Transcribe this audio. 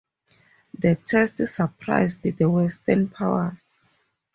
The test surprised the Western powers.